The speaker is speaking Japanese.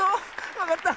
わかった。